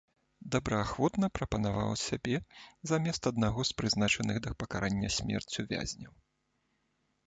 Добраахвотна прапанаваў сябе замест аднаго з прызначаных да пакарання смерцю вязняў.